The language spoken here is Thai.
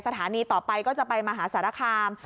สถานีต่อไปก็จะไปมหาสารคาม